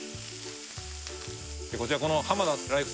こちらこの浜田ライフ